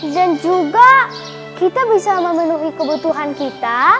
dan juga kita bisa memenuhi kebutuhan kita